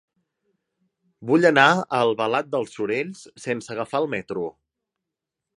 Vull anar a Albalat dels Sorells sense agafar el metro.